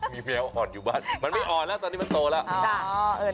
มีแมวอ่อนอยู่บ้านมันไม่อ่อนแล้วตอนนี้มันโตแล้ว